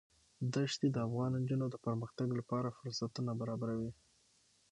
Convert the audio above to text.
دښتې د افغان نجونو د پرمختګ لپاره فرصتونه برابروي.